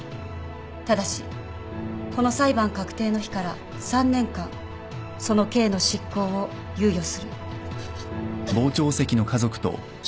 ただしこの裁判確定の日から３年間その刑の執行を猶予する。